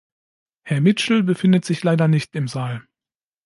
Herr Mitchell befindet sich leider nicht im Saal.